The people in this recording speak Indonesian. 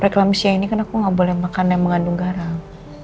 preklamasi siang ini kan aku gak boleh makan yang mengandung garam